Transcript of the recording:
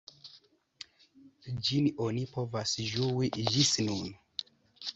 Ĝin oni povas ĝui ĝis nun.